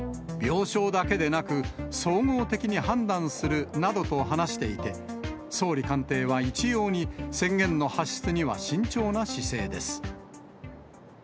病床だけでなく、総合的に判断するなどと話していて、総理官邸は一様に、宣言の発出には慎重な姿勢です。